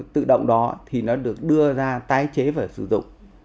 tự động đó thì nó được đưa ra tái chế và sử dụng